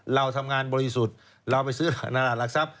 เราทำงานบริสุทธิ์เราไปซื้อหลักทรัพย